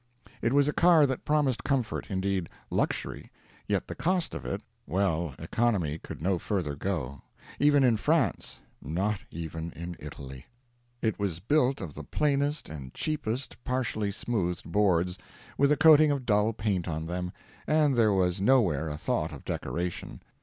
It was a car that promised comfort; indeed, luxury. Yet the cost of it well, economy could no further go; even in France; not even in Italy. It was built of the plainest and cheapest partially smoothed boards, with a coating of dull paint on them, and there was nowhere a thought of decoration.